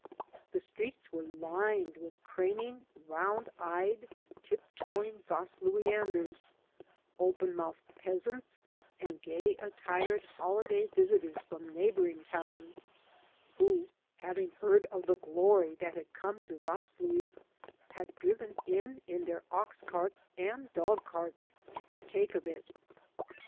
The streets were lined with craning, round eyed, tiptoeing Vasluianders, open mouthed peasants, and gay attired holiday visitors from neighboring towns who, having heard of the glory that had come to Vaslui, had driven in in their ox carts and dog carts to partake of it.